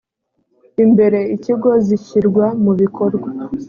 imbere ikigo zishyirwa mu bikorwa